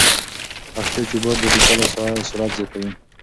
پښتو کیبورډ د لیکلو سرعت زیاتوي.